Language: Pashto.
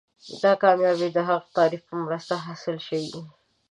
دا کامیابي د هغه تعریف په مرسته حاصله شوې ده.